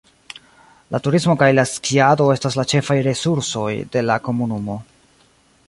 La turismo kaj la skiado estas la ĉefaj resursoj de la komunumo.